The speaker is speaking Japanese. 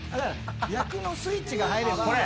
役のスイッチが入れば。